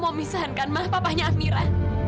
mau misahkan ma papahnya amira